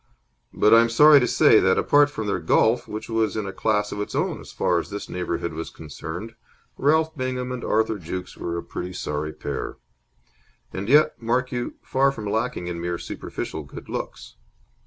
But I am sorry to say that, apart from their golf, which was in a class of its own as far as this neighbourhood was concerned, Ralph Bingham and Arthur Jukes were a sorry pair and yet, mark you, far from lacking in mere superficial good looks.